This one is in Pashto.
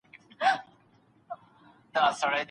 ړوند ښوونکي په ګڼ ځای کي اوږده کیسه نه کوي.